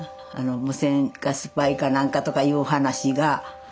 無線かスパイか何かとかいう話が。